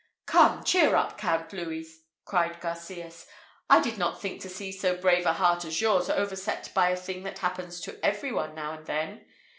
"Come, cheer up, Count Louis!" cried Garcias; "I did not think to see so brave a heart as yours overset by a thing that happens to every one now and then.